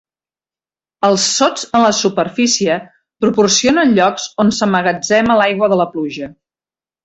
Els sots en la superfície proporcionen llocs on s'emmagatzema l'aigua de la pluja.